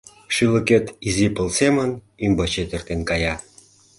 Шӱлыкет изи пыл семын ӱмбачет эртен кая…